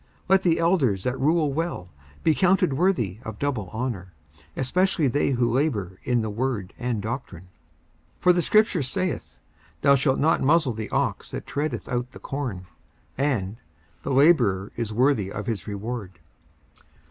54:005:017 Let the elders that rule well be counted worthy of double honour, especially they who labour in the word and doctrine. 54:005:018 For the scripture saith, Thou shalt not muzzle the ox that treadeth out the corn. And, The labourer is worthy of his reward.